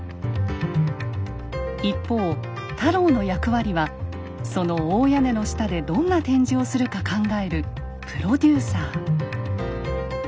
一方太郎の役割はその大屋根の下でどんな展示をするか考えるプロデューサー。